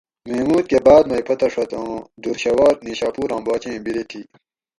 محمود کہ باد مئ پھتہ ڛت اُون دُر شھوار نیشاپوراں باچیں بیری تھی